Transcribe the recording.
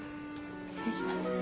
失礼します。